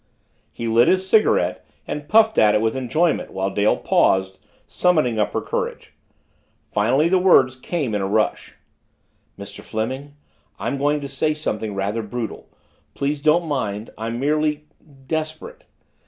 He lit his cigarette and puffed at it with enjoyment while Dale paused, summoning up her courage. Finally the words came in a rush. "Mr. Fleming, I'm going to say something rather brutal. Please don't mind. I'm merely desperate!